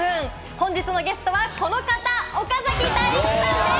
本日のゲストはこの方、岡崎体育さんです！